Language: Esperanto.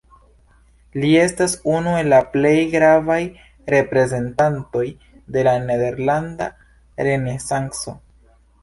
Li estas unu el la plej gravaj reprezentantoj de la nederlanda renesanco.